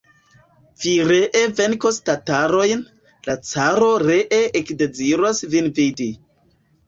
Vi ree venkos tatarojn, la caro ree ekdeziros vin vidi.